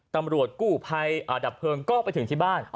ตำรวจกู้ภัยดับเพลิงก็ไปถึงที่บ้าน